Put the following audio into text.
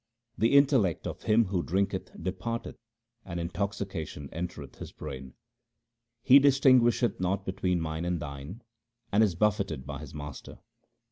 The intellect of him who drinketh departeth, and in toxication entereth his brain. He distinguisheth not between mine and thine, and is buffeted by his master.